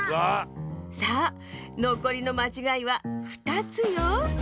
さあのこりのまちがいは２つよ。